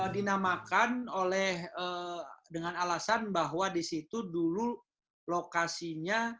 dinamakan oleh dengan alasan bahwa di situ dulu lokasinya